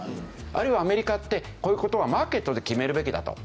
あるいはアメリカってこういう事はマーケットで決めるべきだと。